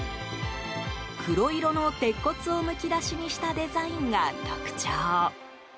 黒色の鉄骨をむき出しにしたデザインが特徴。